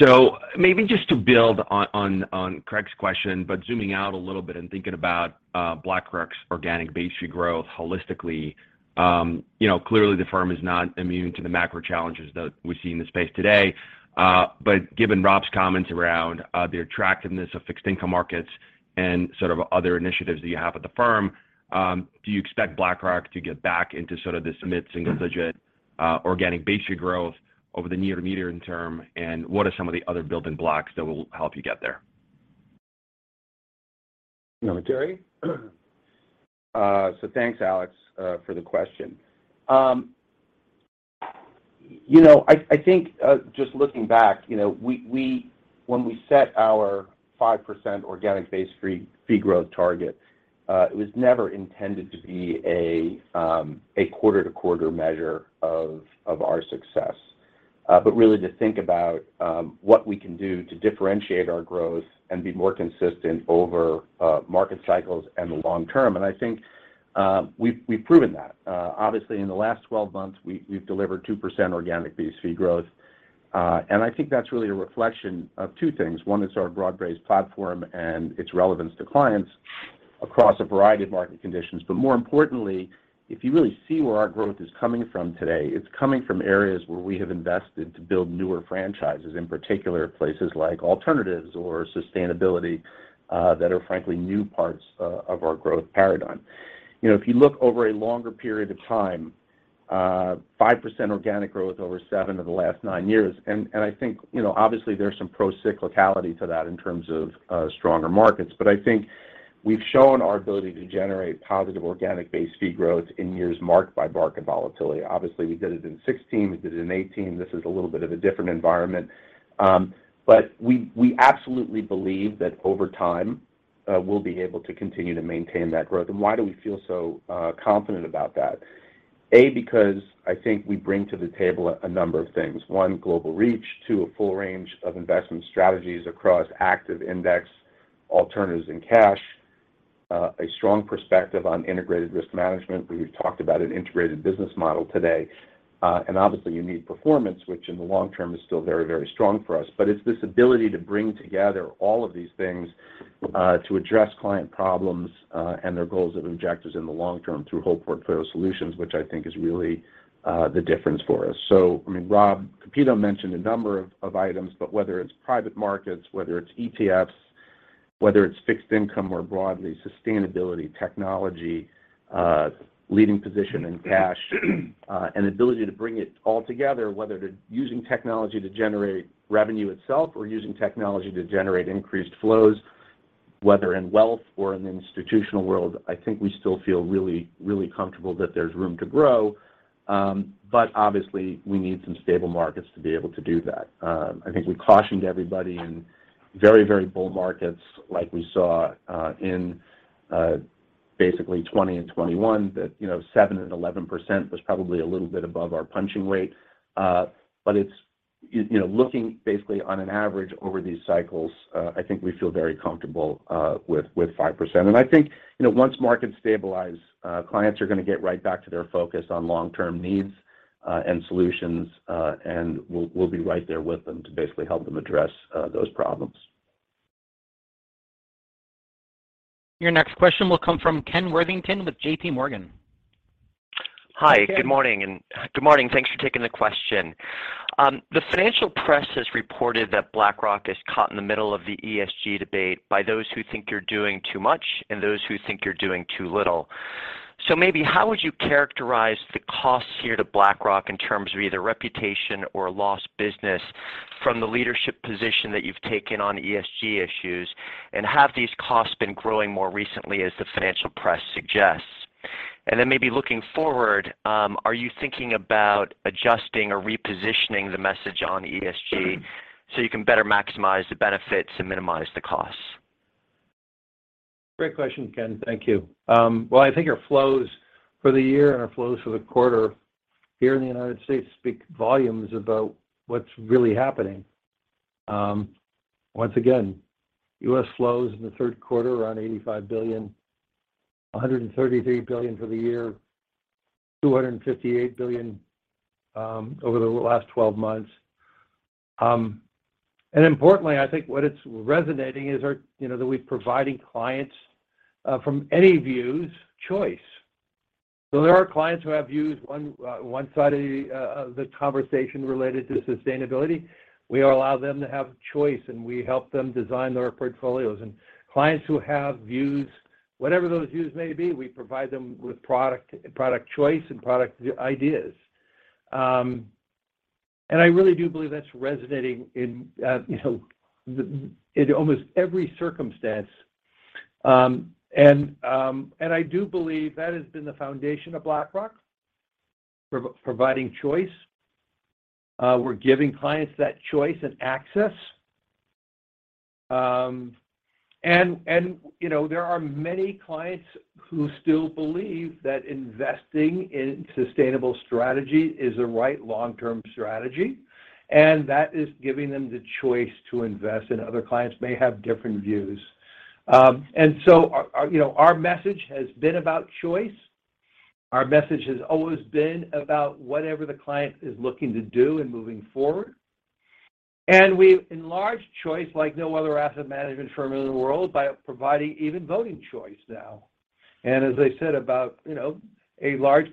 as well. Maybe just to build on Craig Siegenthaler's question, but zooming out a little bit and thinking about BlackRock's organic base fee growth holistically, you know, clearly the firm is not immune to the macro challenges that we see in the space today. But given Robert S. Kapito's comments around the attractiveness of fixed income markets and sort of other initiatives that you have at the firm, do you expect BlackRock to get back into sort of this mid-single digit organic base fee growth over the near to medium term? What are some of the other building blocks that will help you get there? You want me, Terry? Thanks Alex for the question. You know, I think just looking back, you know, when we set our 5% organic base fee growth target, it was never intended to be a quarter to quarter measure of our success. But really to think about what we can do to differentiate our growth and be more consistent over market cycles and the long term. I think we've proven that. Obviously in the last 12 months, we've delivered 2% organic base fee growth. And I think that's really a reflection of two things. One is our broad-based platform and its relevance to clients across a variety of market conditions. More importantly, if you really see where our growth is coming from today, it's coming from areas where we have invested to build newer franchises, in particular places like alternatives or sustainability, that are frankly new parts, of our growth paradigm. You know, if you look over a longer period of time, 5% organic growth over seven of the last nine years, and I think, you know, obviously there's some procyclicality to that in terms of, stronger markets. I think we've shown our ability to generate positive organic base fee growth in years marked by market volatility. Obviously, we did it in 2016, we did it in 2018. This is a little bit of a different environment. We absolutely believe that over time, we'll be able to continue to maintain that growth. Why do we feel so confident about that? A, because I think we bring to the table a number of things. One, global reach. Two, a full range of investment strategies across active index alternatives and cash. A strong perspective on integrated risk management. We've talked about an integrated business model today. Obviously you need performance, which in the long term is still very, very strong for us. It's this ability to bring together all of these things, to address client problems, and their goals and objectives in the long term through whole portfolio solutions, which I think is really the difference for us. I mean, Rob Kapito mentioned a number of items, but whether it's private markets, whether it's ETFs, whether it's fixed income more broadly, sustainability, technology, leading position in cash, an ability to bring it all together, whether they're using technology to generate revenue itself or using technology to generate increased flows, whether in wealth or in the institutional world, I think we still feel really, really comfortable that there's room to grow. Obviously we need some stable markets to be able to do that. I think we cautioned everybody in very, very bull markets like we saw in basically 2020 and 2021, that you know, 7% and 11% was probably a little bit above our punching weight. You know, looking basically on an average over these cycles, I think we feel very comfortable with 5%. I think, you know, once markets stabilize, clients are gonna get right back to their focus on long-term needs and solutions. We'll be right there with them to basically help them address those problems. Your next question will come from Kenneth Worthington with JP Morgan. Ken. Hi, good morning, thanks for taking the question. The financial press has reported that BlackRock is caught in the middle of the ESG debate by those who think you're doing too much and those who think you're doing too little. Maybe how would you characterize the costs here to BlackRock in terms of either reputation or lost business from the leadership position that you've taken on ESG issues? Have these costs been growing more recently as the financial press suggests? Maybe looking forward, are you thinking about adjusting or repositioning the message on ESG so you can better maximize the benefits and minimize the costs? Great question, Ken. Thank you. Well, I think our flows for the year and our flows for the quarter here in the United States speak volumes about what's really happening. Once again, U.S. flows in the Q3 around $85 billion, $133 billion for the year, $258 billion over the last 12 months. Importantly, I think what it's resonating is our, you know, that we're providing clients from any views choice. There are clients who have views on one side of the conversation related to sustainability. We allow them to have choice, and we help them design their portfolios. Clients who have views, whatever those views may be, we provide them with product choice and product ideas. I really do believe that's resonating in, you know, in almost every circumstance. I do believe that has been the foundation of BlackRock providing choice. We're giving clients that choice and access. You know, there are many clients who still believe that investing in sustainable strategy is the right long-term strategy, and that is giving them the choice to invest, and other clients may have different views. You know, our message has been about choice. Our message has always been about whatever the client is looking to do in moving forward. We've enlarged choice like no other asset management firm in the world by providing even Voting Choice now. As I said, you know, a large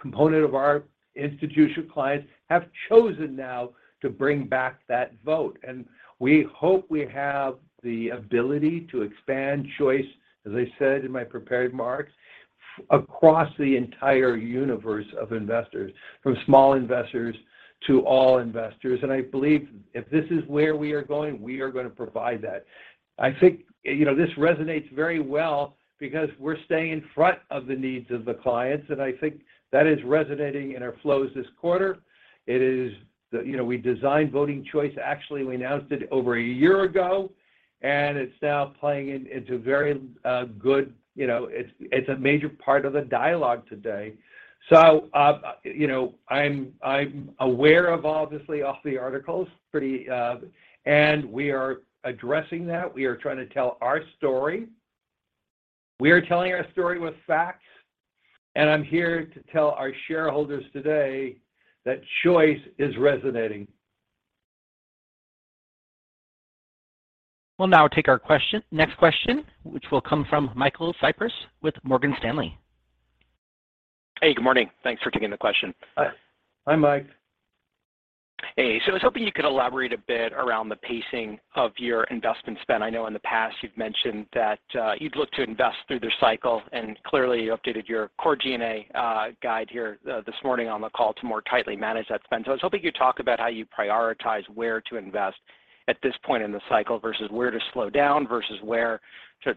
component of our institutional clients have chosen now to bring back that vote. We hope we have the ability to expand choice, as I said in my prepared remarks, across the entire universe of investors, from small investors to all investors. I believe if this is where we are going, we are gonna provide that. I think, you know, this resonates very well because we're staying in front of the needs of the clients, and I think that is resonating in our flows this quarter. You know, we designed Voting Choice. Actually, we announced it over a year ago, and it's now playing into very good, you know, it's a major part of the dialogue today. You know, I'm aware of obviously all the articles pretty. We are addressing that. We are trying to tell our story. We are telling our story with facts, and I'm here to tell our shareholders today that Choice is resonating. We'll now take our question, next question, which will come from Michael Cyprys with Morgan Stanley. Hey, good morning. Thanks for taking the question. Hi. Hi, Mike. Hey. I was hoping you could elaborate a bit around the pacing of your investment spend. I know in the past you've mentioned that you'd look to invest through the cycle, and clearly you updated your core G&A guide here this morning on the call to more tightly manage that spend. I was hoping you'd talk about how you prioritize where to invest at this point in the cycle versus where to slow down versus where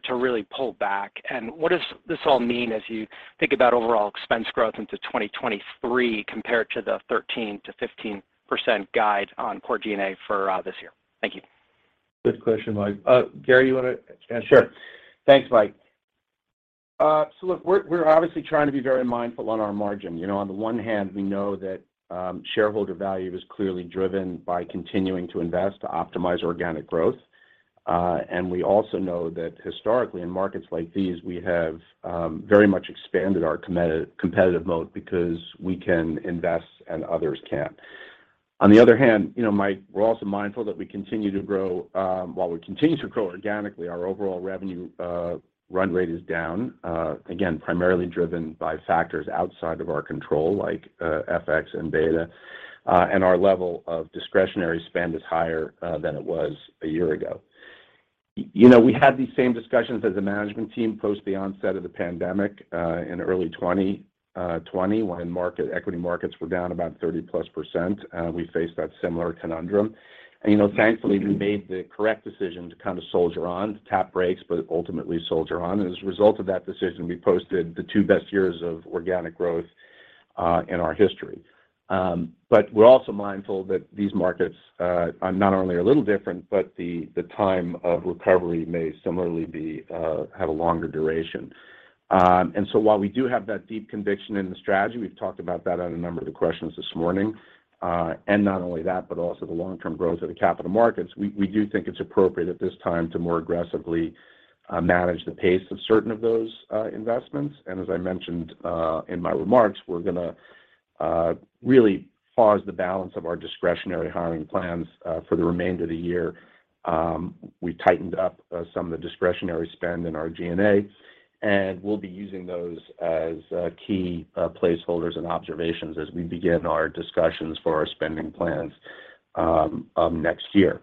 to really pull back. What does this all mean as you think about overall expense growth into 2023 compared to the 13%-15% guide on core G&A for this year? Thank you. Good question, Mike. Gary, you wanna answer? Sure. Thanks, Mike. Look, we're obviously trying to be very mindful on our margin. You know, on the one hand, we know that shareholder value is clearly driven by continuing to invest to optimize organic growth. We also know that historically in markets like these, we have very much expanded our competitive moat because we can invest and others can't. On the other hand, you know, Mike, we're also mindful that we continue to grow while we continue to grow organically. Our overall revenue run rate is down again, primarily driven by factors outside of our control like FX and beta, and our level of discretionary spend is higher than it was a year ago. You know, we had these same discussions as a management team post the onset of the pandemic in early 2020 when equity markets were down about 30+%. We faced that similar conundrum. You know, thankfully, we made the correct decision to kind of soldier on, to tap brakes, but ultimately soldier on. As a result of that decision, we posted the two best years of organic growth in our history. We're also mindful that these markets are not only a little different, but the time of recovery may similarly have a longer duration. While we do have that deep conviction in the strategy, we've talked about that on a number of the questions this morning, and not only that, but also the long-term growth of the capital markets, we do think it's appropriate at this time to more aggressively manage the pace of certain of those investments. As I mentioned in my remarks, we're gonna really pause the balance of our discretionary hiring plans for the remainder of the year. We tightened up some of the discretionary spend in our G&A, and we'll be using those as key placeholders and observations as we begin our discussions for our spending plans next year.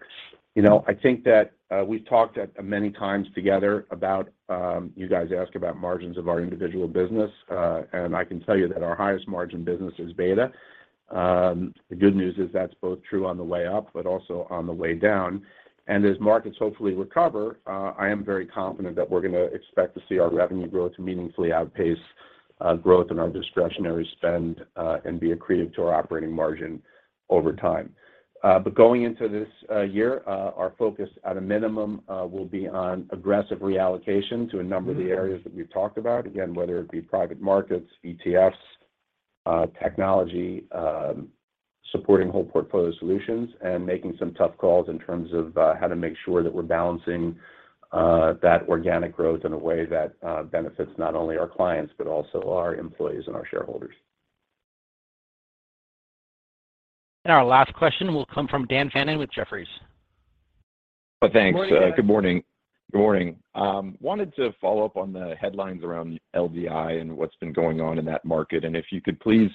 You know, I think that we've talked many times together about you guys ask about margins of our individual business, and I can tell you that our highest margin business is beta. The good news is that's both true on the way up but also on the way down. As markets hopefully recover, I am very confident that we're gonna expect to see our revenue growth meaningfully outpace growth in our discretionary spend, and be accretive to our operating margin over time. Going into this year, our focus at a minimum will be on aggressive reallocation to a number of the areas that we've talked about, again, whether it be private markets, ETFs, technology, supporting whole portfolio solutions and making some tough calls in terms of how to make sure that we're balancing. That organic growth in a way that benefits not only our clients, but also our employees and our shareholders. Our last question will come from Daniel Fannon with Jefferies. Thanks. Good morning. Good morning. Wanted to follow up on the headlines around LDI and what's been going on in that market, and if you could please,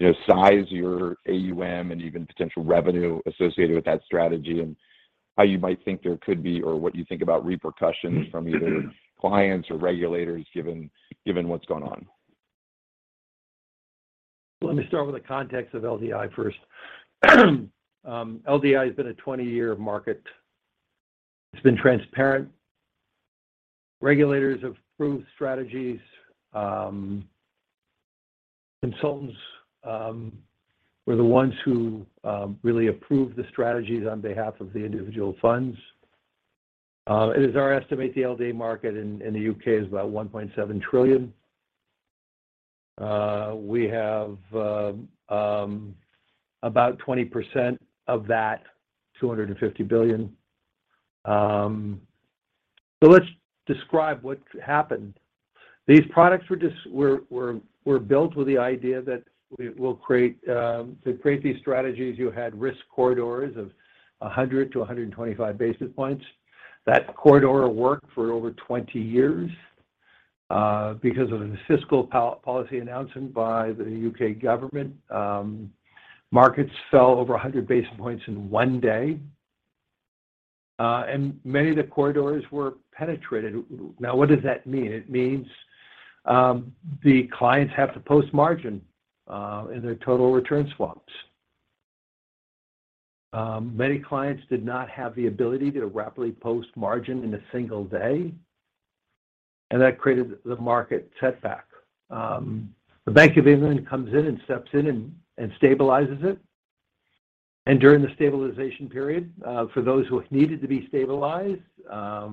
you know, size your AUM and even potential revenue associated with that strategy, and how you might think there could be or what you think about repercussions from either clients or regulators given what's going on? Let me start with the context of LDI first. LDI has been a 20-year market. It's been transparent. Regulators approve strategies. Consultants were the ones who really approved the strategies on behalf of the individual funds. It is our estimate the LDI market in the U.K. is about 1.7 trillion. We have about 20% of that, GBP 250 billion. Let's describe what happened. These products were built with the idea that we will create to create these strategies you had risk corridors of 100-125 basis points. That corridor worked for over 20 years. Because of the fiscal policy announcement by the U.K. government, markets fell over 100 basis points in one day, and many of the corridors were penetrated. Now, what does that mean? It means the clients have to post margin in their total return swaps. Many clients did not have the ability to rapidly post margin in a single day, and that created the market setback. The Bank of England comes in and steps in and stabilizes it. During the stabilization period, for those who needed to be stabilized, for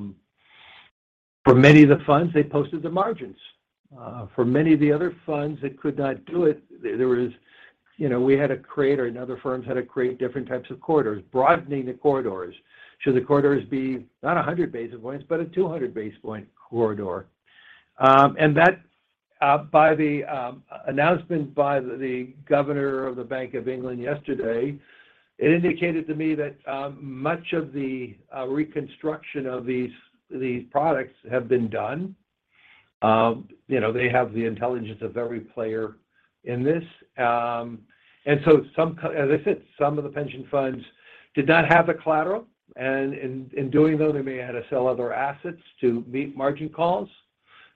many of the funds, they posted the margins. For many of the other funds that could not do it, there was, you know, we had to create or other firms had to create different types of corridors, broadening the corridors. Should the corridors be not 100 basis points, but a 200 basis point corridor. That by the announcement by the governor of the Bank of England yesterday, it indicated to me that much of the reconstruction of these products have been done. You know, they have the intelligence of every player in this. As I said, some of the pension funds did not have the collateral, and in doing those, they may had to sell other assets to meet margin calls.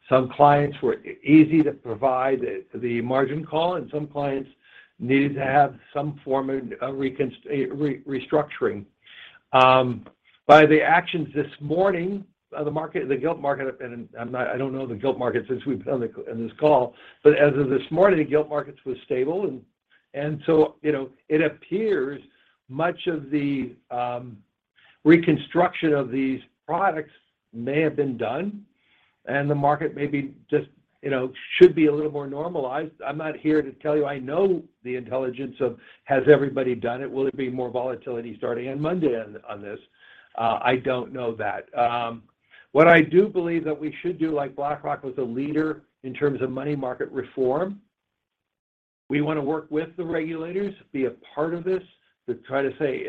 Some clients were easy to provide the margin call, and some clients needed to have some form of restructuring. By the actions this morning, the market, the gilt market, and I'm not, I don't know the gilt market since we've been on this call, but as of this morning, the gilt markets was stable. You know, it appears much of the reconstruction of these products may have been done and the market may just, you know, be a little more normalized. I'm not here to tell you I know if everybody has done it? Will there be more volatility starting on Monday on this? I don't know that. What I do believe that we should do, like BlackRock, was a leader in terms of money market reform. We wanna work with the regulators, be a part of this to try to see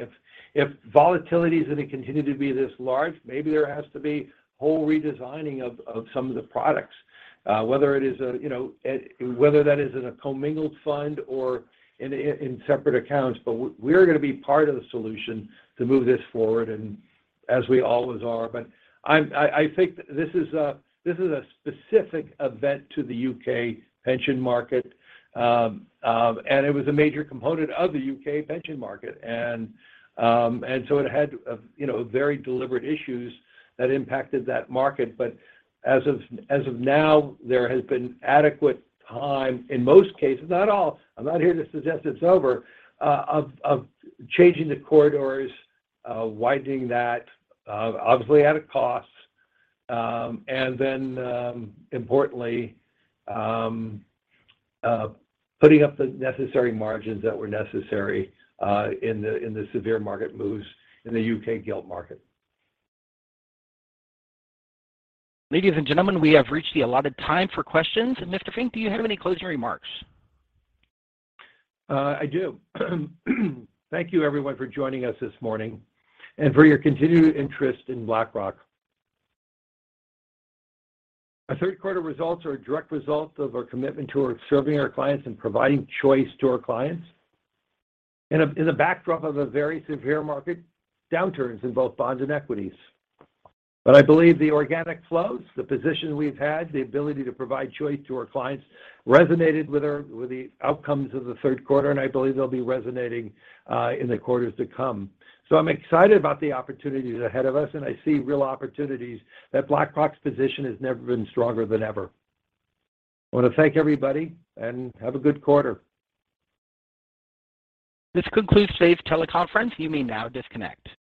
if volatility is going to continue to be this large, maybe there has to be wholesale redesigning of some of the products. Whether that is in a commingled fund or in separate accounts, but we're gonna be part of the solution to move this forward and as we always are. I think this is a specific event to the U.K. pension market. It was a major component of the U.K. pension market. It had you know, very deliberate issues that impacted that market. As of now, there has been adequate time in most cases, not all. I'm not here to suggest it's over of changing the corridors, widening that, obviously at a cost. Importantly, putting up the necessary margins that were necessary in the severe market moves in the UK gilt market. Ladies and gentlemen, we have reached the allotted time for questions. Mr. Fink, do you have any closing remarks? I do. Thank you everyone for joining us this morning and for your continued interest in BlackRock. Our Q3 results are a direct result of our commitment to serving our clients and providing choice to our clients in the backdrop of very severe market downturns in both bonds and equities. I believe the organic flows, the position we've had, the ability to provide choice to our clients resonated with the outcomes of the Q3, and I believe they'll be resonating in the quarters to come. I'm excited about the opportunities ahead of us, and I see real opportunities that BlackRock's position has never been stronger than ever. I wanna thank everybody and have a good quarter. This concludes today's teleconference. You may now disconnect.